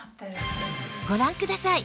ご覧ください